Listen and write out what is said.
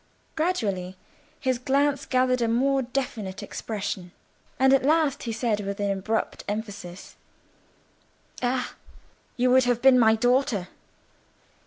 Gradually his glance gathered a more definite expression, and at last he said with abrupt emphasis— "Ah! you would have been my daughter!"